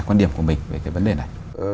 quan điểm của mình về cái vấn đề này